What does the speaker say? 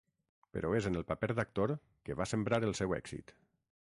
Però és en el paper d’actor que va sembrar el seu èxit.